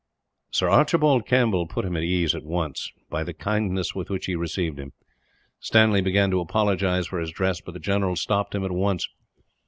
Sir Archibald Campbell put him at ease, at once, by the kindness with which he received him. Stanley began to apologize for his dress, but the general stopped him, at once.